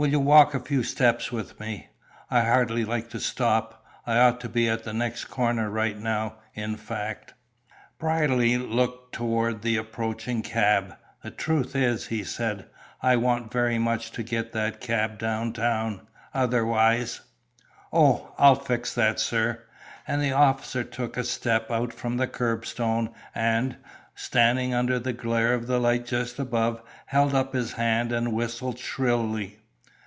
Will you walk a few steps with me? I hardly like to stop; I ought to be at the next corner right now, in fact." Brierly looked toward the approaching cab. "The truth is," he said, "I want very much to get that cab down town; otherwise " "Oh, I'll fix that, sir." And the officer took a step out from the curbstone and, standing under the glare of the light just above, held up his hand, and whistled shrilly.